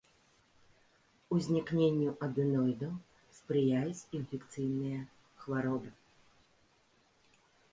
Узнікненню адэноідаў спрыяюць інфекцыйныя хваробы.